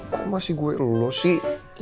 kok masih gue lulus sih